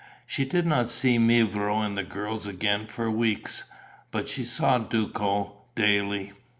She did not see mevrouw and the girls again for weeks; but she saw Duco daily.